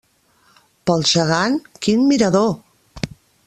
Pel gegant, quin mirador!